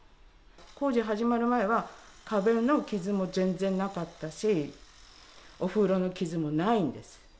工事始まる前は、壁の傷も全然なかったし、お風呂の傷もないんです。